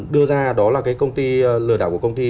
đưa ra đó là cái công ty lừa đảo của công ty